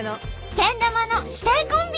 けん玉の師弟コンビ！